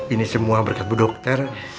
ini semua berkat bu dokter